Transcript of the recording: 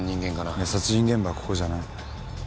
いや殺人現場はここじゃない。